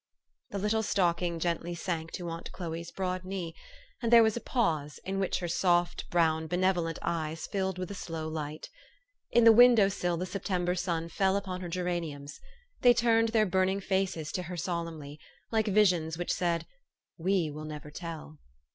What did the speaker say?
" The little stocking gently sank to aunt Chloe's THE STORY OF AVIS. broad knee, and there was a pause, in which her soft, brown, benevolent eyes filled with a slow light. In the window sill the September sun fell upon her geraniums. They turned their burning faces to her solemnly, like visions which said, "We will never tell."